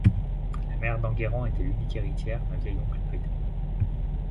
La mère d’Enguerrand était l’unique héritière d’un vieil oncle pédé.